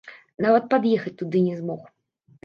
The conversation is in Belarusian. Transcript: Нават пад'ехаць туды не змог.